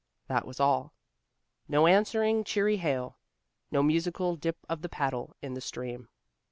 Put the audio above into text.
That was all. No answering cheery hail. No musical dip of the paddle in the stream.